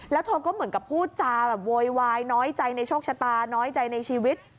แล้วเธอก็เหมือนกับพูดจาแบบโวยวายน้อยใจในโชคชะตาน้อยใจในชีวิต